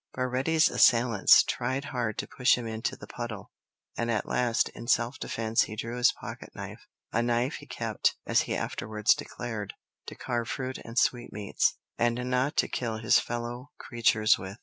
Baretti's assailants tried hard to push him into the puddle, and at last in self defence he drew his pocket knife, a knife he kept, as he afterwards declared, to carve fruit and sweetmeats, and not to kill his fellow creatures with.